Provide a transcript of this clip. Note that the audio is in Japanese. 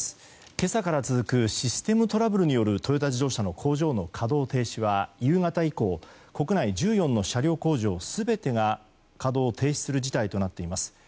今朝から続くシステムトラブルによるトヨタ自動車の工場の稼働停止は夕方以降国内１４の車両工場全てが稼働を停止する事態となっています。